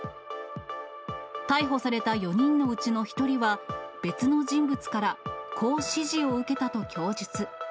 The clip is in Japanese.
逮捕された４人のうちの１人は、別の人物からこう指示を受けたと供述。